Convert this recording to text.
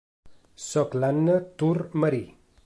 Soc l'Anna Tur Marí.